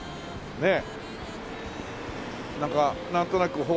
ねえ。